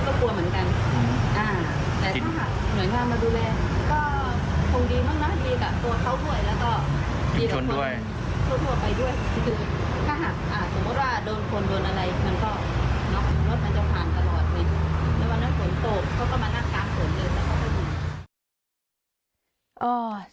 แล้ววันนั้นฝนโตบเขาก็มารับการฝนเลยแล้วก็ไปหุ่น